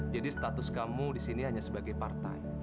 jadi status kamu disini hanya sebagai part time